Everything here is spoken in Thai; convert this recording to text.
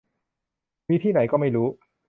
มีที่ไหนก็ไม่รู้